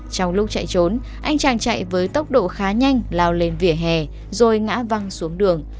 trong lúc chạy trốn anh trang chạy với tốc độ khá nhanh lao lên vỉa hè rồi ngã văng xuống đường